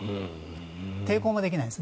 抵抗ができないんです。